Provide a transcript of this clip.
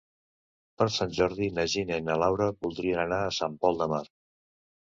Per Sant Jordi na Gina i na Laura voldrien anar a Sant Pol de Mar.